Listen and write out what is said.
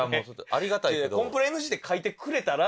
ありがたいけど